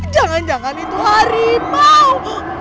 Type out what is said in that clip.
jangan jangan itu hari mau